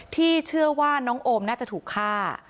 ที่เชื่อว่าน้องโอมน่าจะถูกฆ่า